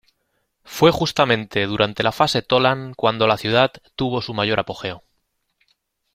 Fue justamente durante la Fase Tollan cuando la ciudad tuvo su mayor apogeo.